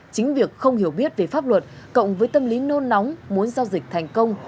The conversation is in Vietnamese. chính việc không hiểu biết về pháp luật cộng với tâm lý nôn nóng muốn giao dịch thành công